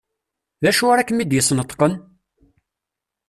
D acu ara kem-id-yesneṭqen?